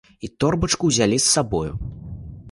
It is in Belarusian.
І торбачку ўзялі з сабою.